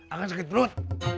akan sakit perut